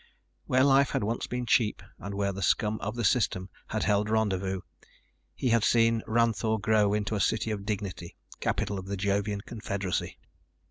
Where life had once been cheap and where the scum of the system had held rendezvous, he had seen Ranthoor grow into a city of dignity, capital of the Jovian confederacy.